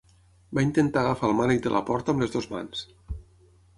Va intentar agafar el mànec de la porta amb les dues mans.